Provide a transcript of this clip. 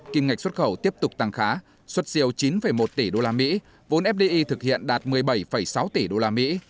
kim ngạch xuất khẩu tiếp tục tăng khá xuất siêu chín một tỷ usd vốn fdi thực hiện đạt một mươi bảy sáu tỷ usd